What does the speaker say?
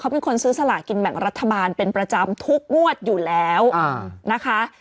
เป็นคนซื้อสลากินแบ่งรัฐบาลเป็นประจำทุกงวดอยู่แล้วนะคะ